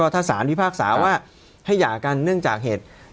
ถ้าสารพิพากษาว่าให้หย่ากันเนื่องจากเหตุ